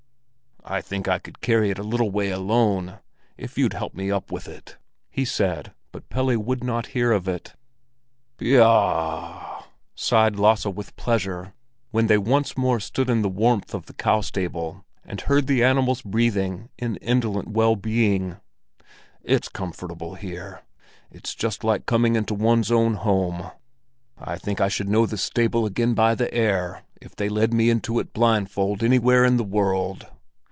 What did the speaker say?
"I think I could carry it a little way alone, if you'd help me up with it," he said; but Pelle would not hear of it. "Pee u ah!" sighed Lasse with pleasure when they once more stood in the warmth of the cow stable and heard the animals breathing in indolent well being—"it's comfortable here. It's just like coming into one's old home. I think I should know this stable again by the air, if they led me into it blindfold anywhere in the world."